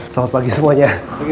selamat pagi semuanya